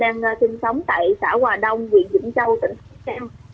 hiện tại tôi đang sinh sống tại xã hòa đông huyện vĩnh châu tỉnh phú trang